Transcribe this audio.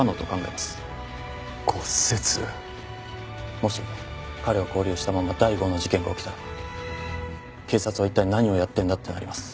もし彼を勾留したまま第５の事件が起きたら警察は一体何をやってんだってなります。